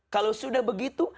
kalau sudah begitu